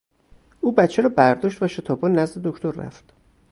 او بچه را برداشت و شتابان نزد دکتر رفت.